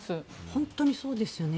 本当にそうですよね。